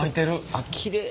あっきれい。